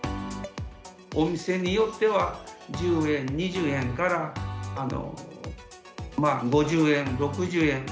お店によっては、１０円、２０円から５０円、６０円。